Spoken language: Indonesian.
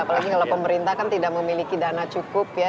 apalagi kalau pemerintah kan tidak memiliki dana cukup ya